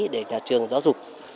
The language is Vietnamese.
để nhà trường giáo dục